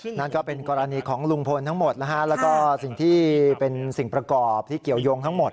นั่นก็เป็นกรณีของลุงพลทั้งหมดนะฮะแล้วก็สิ่งที่เป็นสิ่งประกอบที่เกี่ยวยงทั้งหมด